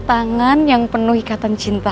tangan yang penuh ikatan cinta